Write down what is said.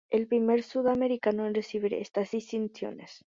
Es el primer sudamericano en recibir estas distinciones.